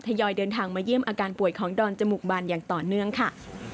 ยอยเดินทางมาเยี่ยมอาการป่วยของดอนจมูกบานอย่างต่อเนื่องค่ะ